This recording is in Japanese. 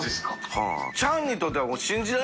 はい。